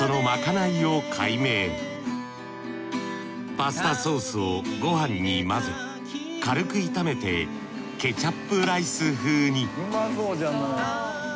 パスタソースをご飯に混ぜ軽く炒めてケチャップライス風に。